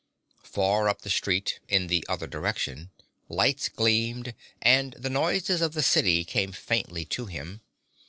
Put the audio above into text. Far up the street, in the other direction, lights gleamed and the noises of the city came faintly to him.